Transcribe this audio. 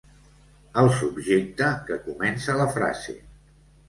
El subjecte que comença la frase.